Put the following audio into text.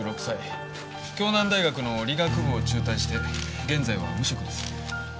京南大学の理学部を中退して現在は無職です。